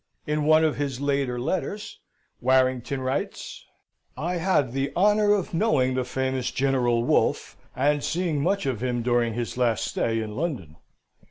In one of his later letters, Warrington writes: "I had the honour of knowing the famous General Wolfe, and seeing much of him during his last stay in London.